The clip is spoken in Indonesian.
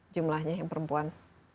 jumlahnya yang perempuan